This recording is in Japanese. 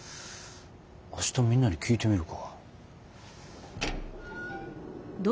明日みんなに聞いてみるか。